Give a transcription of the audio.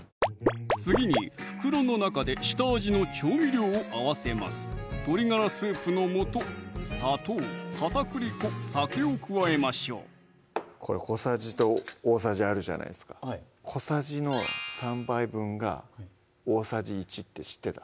次に袋の中で下味の調味料を合わせます鶏ガラスープの素・砂糖・片栗粉・酒を加えましょうこれ小さじと大さじあるじゃないですか小さじの３杯分が大さじ１って知ってた？